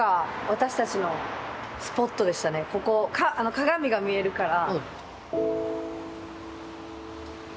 ここ鏡が見えるから。